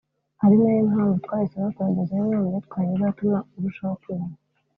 ari na yo mpamvu twahisemo kubagezaho imwe mu myitwarire izatuma urushaho kubahwa